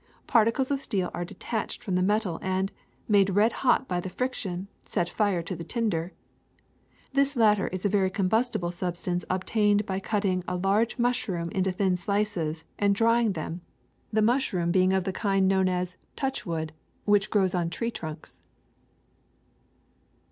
Particles of steel are detached from the metal and, made red hot by the friction, set fire to the tinder. This latter is a very combustible sub stance obtained by cutting a large mushroom into thin slices and drying them, the mushroom being of the kind known as touchwood, which grows on tree trunks.